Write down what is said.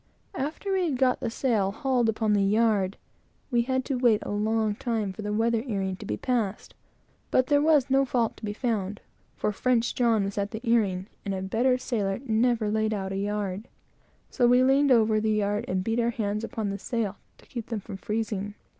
After we had got the sail hauled upon the yard, we had to wait a long time for the weather earing to be passed; but there was no fault to be found, for French John was at the earing, and a better sailor never laid out on a yard; so we leaned over the yard, and beat our hands upon the sail to keep them from freezing.